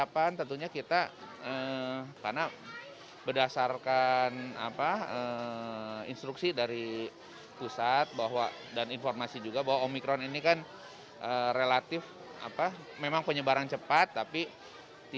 menyiapkan isolasi mandiri sehingga tidak membeni rumah sakit